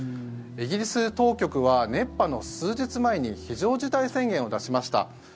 イギリス当局は熱波の数日前に非常事態宣言を出しました。